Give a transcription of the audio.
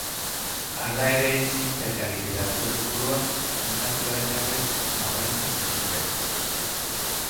Hala ere, zientzia eta literatura liburuak miniatura ederrez apaintzen zituzten.